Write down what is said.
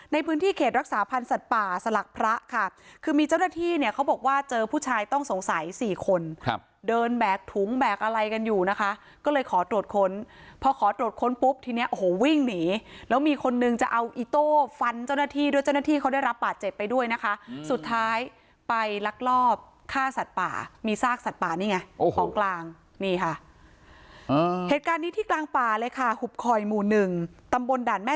ในพื้นที่เขตรักษาพันธ์สัตว์ป่าสลักพระค่ะคือมีเจ้าหน้าที่เนี่ยเขาบอกว่าเจอผู้ชายต้องสงสัยสี่คนครับเดินแบกถุงแบกอะไรกันอยู่นะคะก็เลยขอตรวจค้นพอขอตรวจค้นปุ๊บทีเนี้ยโอ้โหวิ่งหนีแล้วมีคนหนึ่งจะเอาอีโต้ฟันเจ้าหน้าที่ด้วยเจ้าหน้าที่เขาได้รับป่าเจ็บไปด้วยนะคะสุดท้ายไปลักลอบ